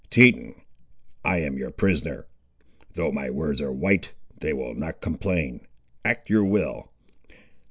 "Teton, I am your prisoner. Though my words are white, they will not complain. Act your will."